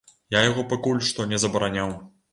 Я яго пакуль што не забараняў.